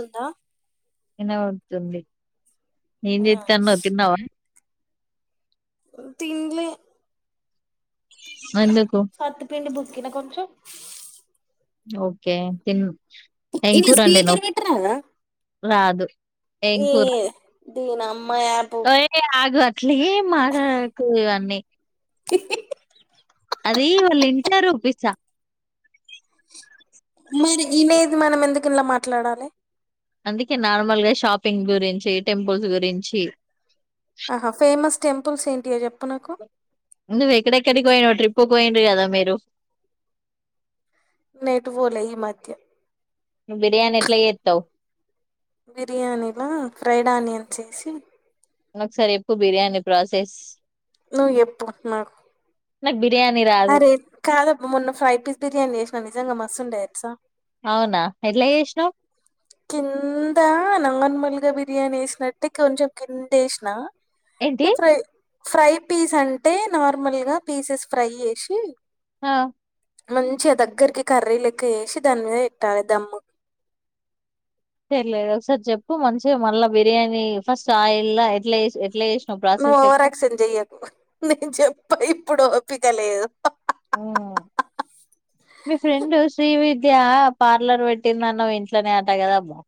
ఉంటదా ఎలా ఉంటుంది ననుత అన్న తన్నావా తింళ ఎందుకు సత్పిడి బుసుకిిన కొంచు ఓకే తిన్ ఏం ఇం కూర స్పీకర్ వండినవ్ విటరాదా రాదు ఈ దీనం ఒ ఏ ఆగు ట్లేం మాటడకు ఇవన్నీ హే హే అదీ వాళ్ళింటారు పిసా మరి ఇనేది మనం ఎందుకు ఇలా మాట్లాడాలె అందుకే నార్మల్ గా షాపింగ్ గురించి టెంపుల్స్ గురించి ఆహా ఫేమస్ టెంపుల్స్ ఏంటియో చెప్పు నాకు నువ్వు ఎక్కడెక్కడికి పోయినవ్ ట్రిప్ కు పోయిండ్రు గదా మీరు నే ఎటు పోలే ఈ మధ్య బిర్యానెట్ల చేత్తవ్ బిర్యానీనా ఫ్రైడ్ ఆనియన్స్ ఏసి ఒక్సారి ఎప్పు బిర్యానీ ప్రాసెస్ నువ్ ఎప్పు నాకు నాక్ బి అరే కాదబ మొన్న ఫ్రైడ్ పీస్ బిర్యానీ చేసిన నిజంగమ ఎసా అవునా ఎట్ల చేశినవ్ కిందా నంగన్ మల్గ బిర్యానీ వేసినట్టు కొంచెం కిందేశిన ఏంటి ఇప్పు ఫ్రై పీస్ అంటే నార్మల్ గా పీసెస్ ఫ్రై చేసి ఆహ్ మంచిగ దగ్గరికి కర్రీ లెక్క ఏశి దాని మీద పెట్టాలి దమ్ము సర్లేదు ఒకసారి చెప్పు మంచిగా మళ్ళ బిర్యానీ ఫస్ట్ ఆయిల్ల ఎట్ల ఏశి ఎట్ల ఏ నువ్ ఓవరాక్షన్ చేయకు నేను చెప్ప ఇప్పుడు ఓపికలేదు ఆహ్ మీ ఫ్రెండ్ శ్రీ విద్య పార్లర్ పెట్టిందన్నవ్ ఇంట్లనే అటా కదబ్బా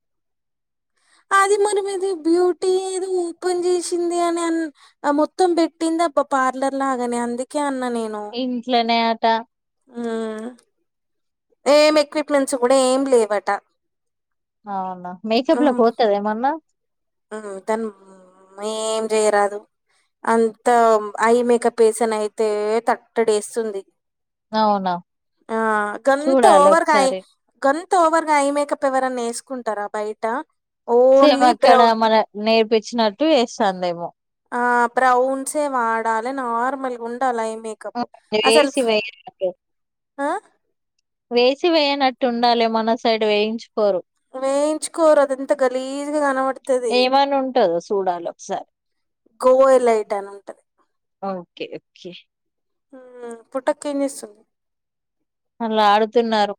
అది మరి ఇది బ్యూటీ ఏదో ఓపెన్ చేసింది అని అ మొత్తం పెట్టింది అబ్బ పార్లర్ లాగాని అందుకే అన్న ఇంట్లనే ట హ్మ్. ఏం ఎక్విప్మెంట్స్ కూడా ఏం లేవట అవునా మేకప్ లో హ్మ్. పోతద ఏమన్నా తను ఏం జేయరాదు అంత ఐ మేకప్ వేసన్ అయితే తట్టడేస్తుంది అవునా ఆ గంత చూడాలి ఓవర్గాయ్ ఒకసారి గం త ఓవర్ గా ఐ మేకప్ ఎవరన్న ఏస్కుంటారా బయట ఓన్లీ సేమక్కడ బ్రౌ మన నేర్పించినట్టు ఏస్తాందేమో ఆ బ్రౌన్సే వాడాలె నార్మల్గుండాల అ వేసివేయనటు ఆ! వేసి వేయనట్టు ఉండాలి మన సైడ్ వేయించు వేయించుకోరు అది ఎంత గలీజ్గా కనబడుతుది ఏమని ఉంటదో చూడాలి ఒకసారి గోవ ఎలైట్ అని ఉంటది ఓకే ఓకే పుటకనిస్తుంది అలా ఆడుతున్నారు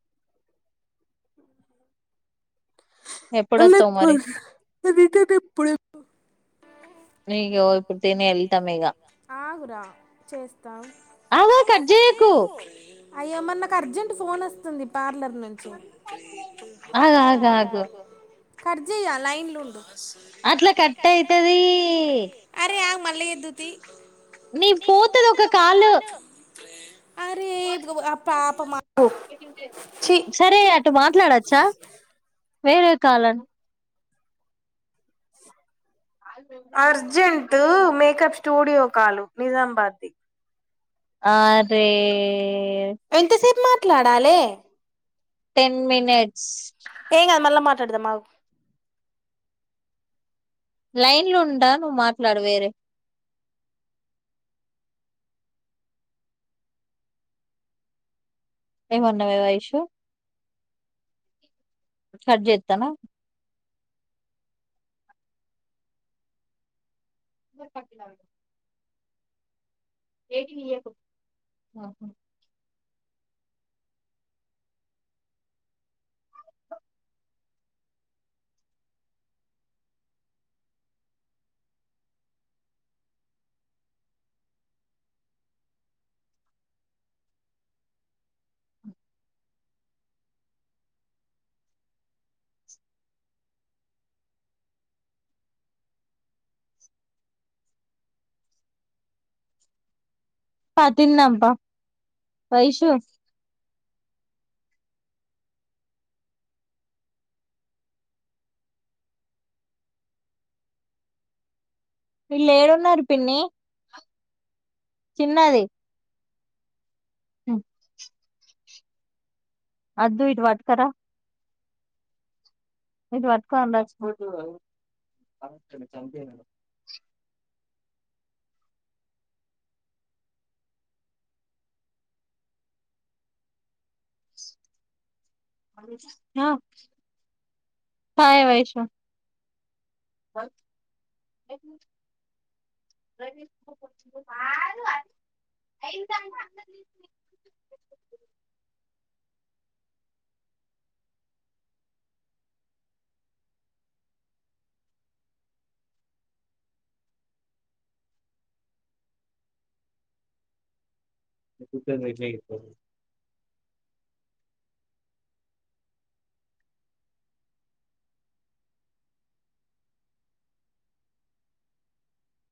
ఎప్పుడొత్తావు అలపు మరి నిపుడ కుడుత వెళ్తా మీగ ఆగురా చేస్తాంకు ఆగు కట్ చేయకు అయ్యమ నాకు అర్జెంట్ ఫోన్ వస్తుంది పార్లర్ మంచిధే ఆగు అ ఆగు అద ఆగు అ కర్జయ లినెలి ఉం అట్లా కట్ అవుతుది అరే మళ్ ఎంది ప నీ పోతుది ఒక కాలు అరే అ పాప మా చి సరే అటు మాట్లాడచ్చా వేరే కాలం అర్జెంట్ మేకప్ స్టూడియో కాలు నిజామాబాద్ది ఆ రే ఎంతసేపు మాత్ర కలాడాలే టెన్ మనిట్స్ ఏ అది మళ్ళ మా చడ దమాగ లైన్ లో ఉడా నువ్వు మాట్లాడు వేరే ఏ మన్నా వవయిష సర్జ ఎత్తానా ఇ కటిలా విడ ఏంటి పాతిలు నా అమ్బ పైష వీళ్ళు ఏడున్నారు పిన్ని చిన్నది హ అదు ఇట్ వాట్కార ఇట్ వాట్క హ య వైష అయిందంట రీస్లైట్